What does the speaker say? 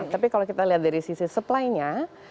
tapi kalau kita lihat dari sisi supply nya